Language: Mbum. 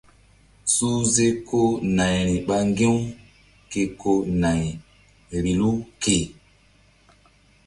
Suhze ko nayri ɓa ŋgi̧-u ke ko nay vbilu ke.